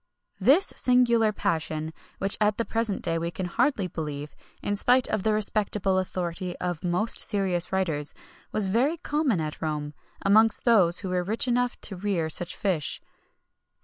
[XXI 60] This singular passion, which at the present day we can hardly believe, in spite of the respectable authority of the most serious writers, was very common at Rome, amongst those who were rich enough to rear such fish.